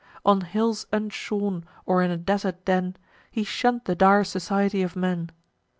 On hills unshorn, or in a desert den, He shunn'd the dire society of men.